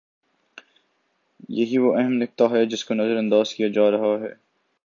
یہی وہ اہم نکتہ ہے جس کو نظر انداز کیا جا رہا ہے۔